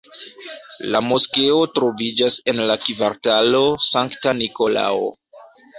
La moskeo troviĝas en la kvartalo Sankta Nikolao.